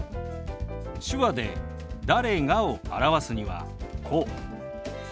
手話で「誰が」を表すにはこう。